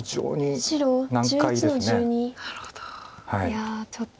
いやちょっと。